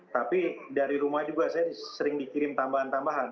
tapi dari rumah juga saya sering dikirim tambahan tambahan